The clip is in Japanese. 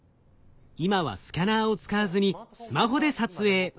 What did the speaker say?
今はスキャナーを使わずにスマホで撮影。